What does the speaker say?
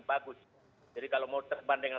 bagus jadi kalau mau terbang dengan